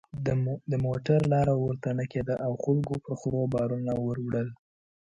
د موټر لاره ورته نه کېده او خلکو پر خرو بارونه ور وړل.